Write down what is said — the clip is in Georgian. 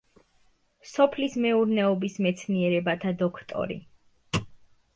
სოფლის მეურნეობის მეცნიერებათა დოქტორი.